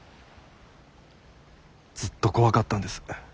ずっと怖かったんです。